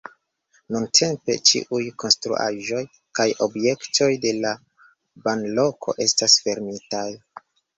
Nuntempe ĉiuj konstruaĵoj kaj objektoj de la banloko estas fermitaj.